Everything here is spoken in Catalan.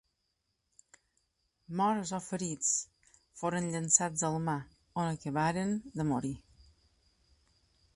Morts o ferits, foren llençats al mar, on acabaren de morir.